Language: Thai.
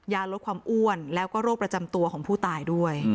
ยาลดความอ้วนแล้วก็โรคประจำตัวของผู้ตายด้วย